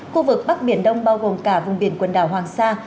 khu vực bắc biển đông bao gồm cả vùng biển quần đảo hoàng sa